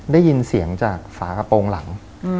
ได้ยินเสียงจากฝากระโปรงหลัง